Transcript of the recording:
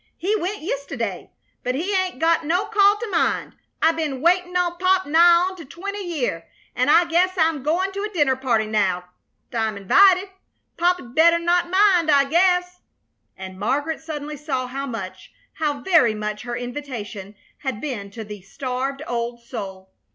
"He went yist'day. But he 'ain't got no call t' mind. I ben waitin' on Pop nigh on to twenty year, an' I guess I'm goin' to a dinner party, now 't I'm invited. Pop 'd better not mind, I guess!" And Margaret suddenly saw how much, how very much, her invitation had been to the starved old soul.